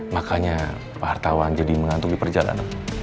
makanya pak hartawan jadi mengantuk di perjalanan